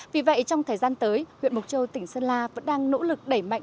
vì vậy trong thời gian tới huyện mộc châu tỉnh sơn la vẫn đang nỗ lực đẩy mạnh